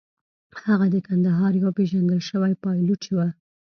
هغه د کندهار یو پېژندل شوی پایلوچ و.